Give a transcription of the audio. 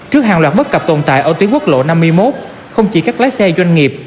trước hàng loạt bất cập tồn tại ở tuyến quốc lộ năm mươi một không chỉ các lái xe doanh nghiệp